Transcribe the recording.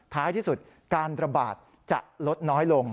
ท้ายที่สุดการระบาดจะลดน้อยลง